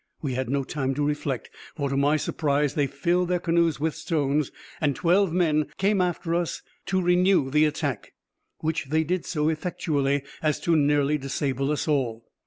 We had no time to reflect, for, to my surprise, they filled their canoes with stones, and twelve men came off after us to renew the attack; which they did so effectually, as to nearly disable us all.